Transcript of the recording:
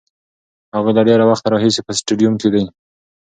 هغوی له ډېر وخته راهیسې په سټډیوم کې دي.